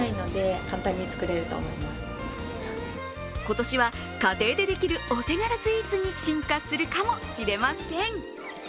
今年は家庭でできるお手軽スイーツに進化するかもしれません。